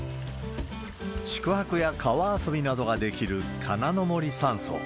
宿泊や川遊びなどができる金の森山荘。